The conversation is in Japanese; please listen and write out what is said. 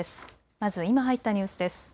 まず今、入ったニュースです。